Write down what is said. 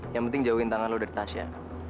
yang penting jauhin tangan lo dari tasya